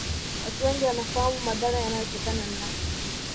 Watu wengi wanafahamu madhara yanayotokana na